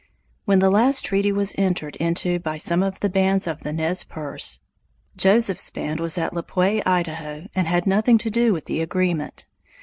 When the last treaty was entered into by some of the bands of the Nez Perce, Joseph's band was at Lapwai, Idaho, and had nothing to do with the agreement.